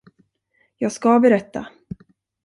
Jag ska berätta.